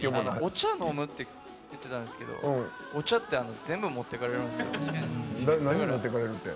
お茶飲むって言ってたんですけどお茶って全部持っていかれるんですよ。